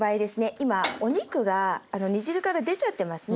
今お肉が煮汁から出ちゃってますね。